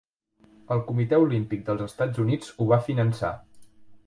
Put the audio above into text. El Comitè Olímpic dels Estats Units ho va finançar.